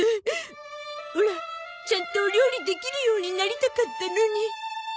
オラちゃんとお料理できるようになりたかったのに。